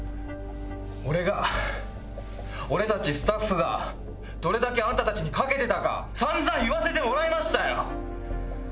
俺が俺たちスタッフがどれだけあんたたちに懸けてたか散々言わせてもらいましたよ。